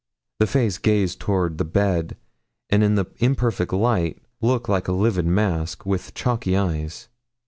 The face gazed toward the bed, and in the imperfect light looked like a livid mask, with chalky eyes.